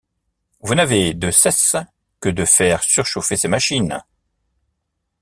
Vous n’avez de cesse que de faire surchauffer ces machines…